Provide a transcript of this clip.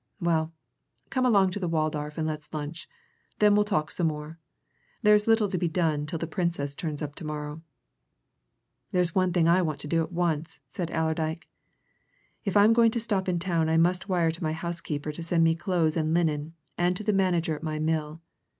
Well, come along to the Waldorf and let's lunch then we'll talk some more. There's little to be done till the Princess turns up tomorrow." "There's one thing I want to do at once," said Allerdyke. "If I'm going to stop in town I must wire to my housekeeper to send me clothes and linen, and to the manager at my mill.